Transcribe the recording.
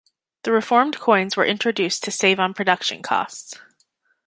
The reformed coins were introduced to save on production costs.